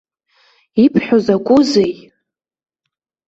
Ибҳәо закәызеи!